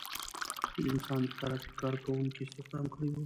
چې د انسان د ترافیک کار کوونکو استخدام کړي وو.